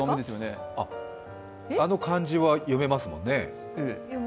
あの漢字は読めますもんね？